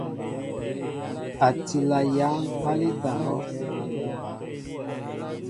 A tila yăŋ aleta ahɔʼ.